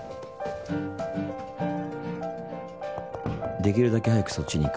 できるだけ早くそっちに行く。